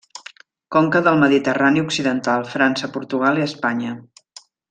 Conca del Mediterrani occidental, França, Portugal i Espanya.